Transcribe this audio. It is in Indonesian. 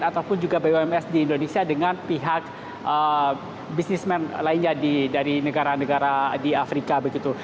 ataupun juga bums di indonesia dengan pihak bisnismen lainnya dari negara negara di afrika begitu